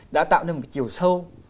đã tạo nên một cái chiều sâu